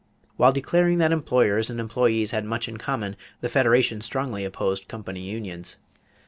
While declaring that employers and employees had much in common, the Federation strongly opposed company unions.